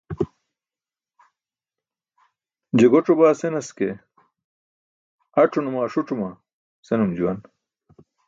Je guc̣o baa senas ke, ac̣o. Numa aṣuc̣uma senum juwan.